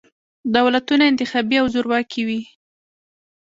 دولتونه انتخابي او زورواکي وي.